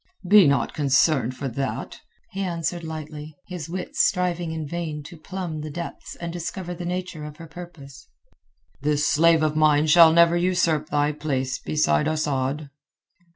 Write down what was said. "Be not concerned for that," he answered lightly, his wits striving in vain to plumb the depths and discover the nature of her purpose. "This slave of mine shall never usurp thy place beside Asad."